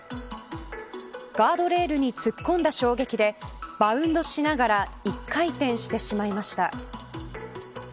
ガードレールに突っ込んだ衝撃でバウンドしながら１回転してしまいました。